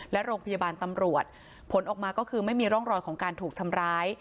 และโรงพยาบาลตำรวจผลออกมาก็คือไม่มีร่องรอยของการถูกทำร้าย